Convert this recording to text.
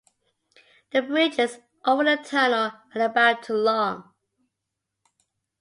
The bridges over the tunnel are about to long.